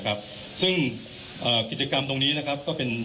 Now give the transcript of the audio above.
คุณผู้ชมไปฟังผู้ว่ารัฐกาลจังหวัดเชียงรายแถลงตอนนี้ค่ะ